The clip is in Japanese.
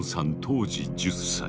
当時１０歳。